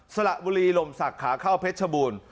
สละบุรีลมศักดิ์ขาเข้าเพชรชบูรณ์